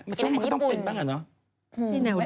กินอาหารญี่ปุ่นมันก็ต้องเป็นบ้างหรอเนี่ย